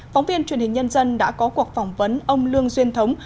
phóng viên truyền hình nhân dân đã có cuộc phỏng vấn ông lương duyên thống